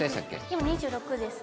今２６です。